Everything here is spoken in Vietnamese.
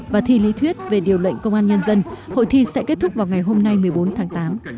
và thi lý thuyết về điều lệnh công an nhân dân hội thi sẽ kết thúc vào ngày hôm nay một mươi bốn tháng tám